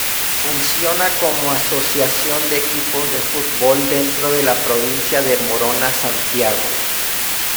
Funciona como asociación de equipos de fútbol dentro de la Provincia de Morona Santiago.